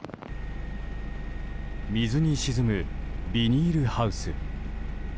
水に沈むビニールハウス。